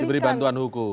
diberi bantuan hukum